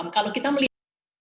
kalau kita melihat